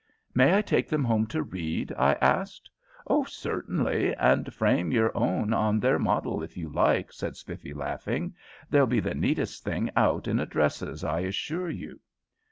"May I take them home to read?" I asked. "Oh, certainly, and frame your own on their model if you like," said Spiffy, laughing; "they'll be the neatest thing out in addresses, I assure you."